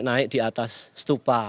naik di atas stupa